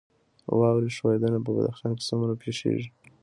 واورې ښویدنه په بدخشان کې څومره پیښیږي؟